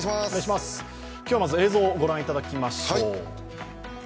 今日はまず映像をご覧いただきましょう。